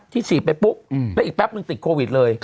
ฉีดไปปุ๊บแล้วอีกแป๊บนึงติดโควิดเลย